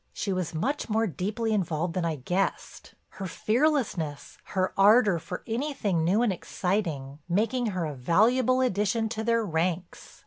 She was much more deeply involved than I guessed. Her fearlessness, her ardor for anything new and exciting, making her a valuable addition to their ranks.